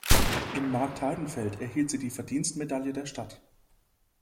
In Marktheidenfeld erhielt sie die Verdienstmedaille der Stadt.